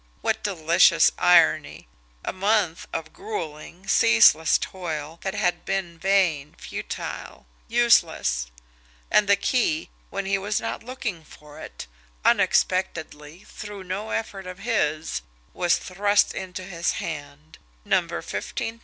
What delicious irony! A month of gruelling, ceaseless toil that had been vain, futile, useless and the key, when he was not looking for it, unexpectedly, through no effort of his, was thrust into his hand No.